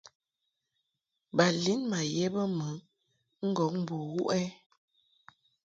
Ba lin ma ye bə mɨ ŋgɔŋ bo wuʼ ɛ ?